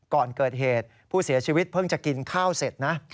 ก่อนเกิดเหตุผู้เสียชีวิตเพิ่งจะกินข้าวเสร็จนะ